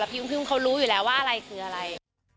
แล้วพี่อุ้มเขารู้อยู่แล้วว่าอะไรคืออะไร